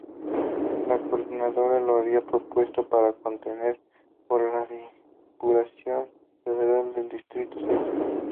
La Coordinadora lo había propuesto para contender por la diputación federal del distrito sexto.